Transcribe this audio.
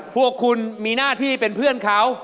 พวกคุณมีหน้าที่เป็นเพื่อนเขา